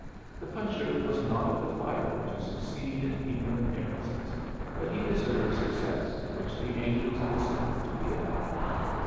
The puncher was not of the fibre to succeed in keeping appearances, but he deserved success, which the angels consider to be enough.